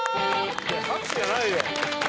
拍手じゃないよ。